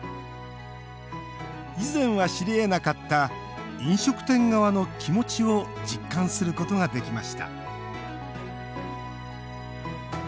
以前は知りえなかった飲食店側の気持ちを実感することができました